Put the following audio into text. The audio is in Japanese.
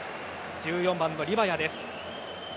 １４番のリヴァヤです。